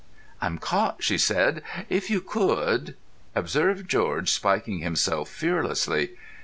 "I'm caught," she said. "If you could——" Observe George spiking himself fearlessly.